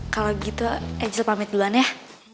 kalau gitu angel pamit duluan ya